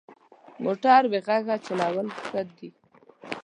موټر بې غږه چلول ښه دي.